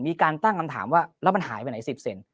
มีการตั้งคำถามว่าแล้วมันหายไปไหน๑๐เซน